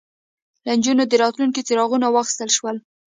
له نجونو د راتلونکي څراغونه واخیستل شول